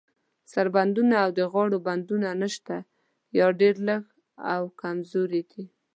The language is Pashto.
سر بندونه او د غاړو بندونه نشته، یا ډیر لږ او کمزوري دي.